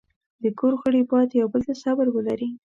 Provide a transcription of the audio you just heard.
د کور غړي باید یو بل ته صبر ولري.